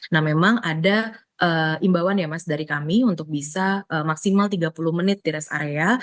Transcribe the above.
nah memang ada imbauan ya mas dari kami untuk bisa maksimal tiga puluh menit di rest area